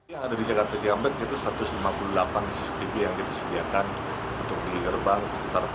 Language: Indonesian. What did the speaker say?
yang ada di jakarta cikampek itu satu ratus lima puluh delapan cctv yang disediakan untuk di gerbang